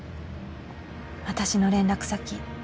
「私の連絡先」